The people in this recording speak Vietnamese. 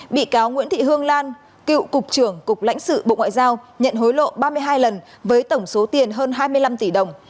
bị cáo nguyễn thị hương lan cựu cục trưởng cục lãnh sự bộ ngoại giao nhận hối lộ ba mươi hai lần với tổng số tiền hơn hai mươi năm tỷ đồng